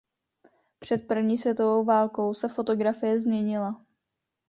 Před první světovou válkou se fotografie změnila.